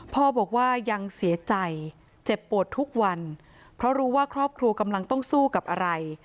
พ่อบอกว่ายังเสียใจเจ็บปวดทุกวันเพราะรู้ว่าครอบครัวกำลังต้องสู้กับอะไร